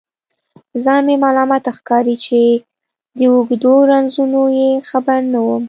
ځان مې ملامت ښکاري چې د اوږدو رنځونو یې خبر نه وم.